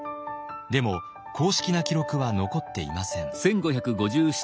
でも公式な記録は残っていません。